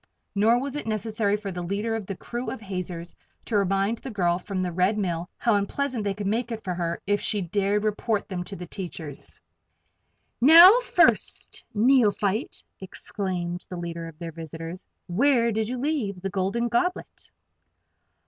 Nor was it necessary for the leader of the crew of hazers to remind the girl from the Red Mill how unpleasant they could make it for her if the dared report them to the teachers. "Now, First Neophyte!" exclaimed the leader of their visitors. "Where did you leave the Golden Goblet?"